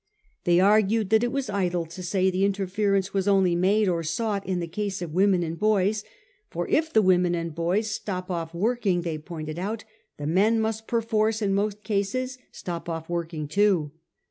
They argued that it was idle to say the in terference was only made or sought in the case of women and boys ; for if the women and boys stop off working, they pointed out, the men must perforce in most cases stop off working too.